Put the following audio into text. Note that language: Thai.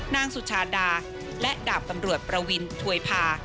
นางสุชาดาและดาบตำรวจประวินถวยพา